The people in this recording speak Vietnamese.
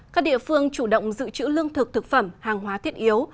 các địa phương chủ động giữ chữ lương thực thực phẩm hàng hóa thiết yếu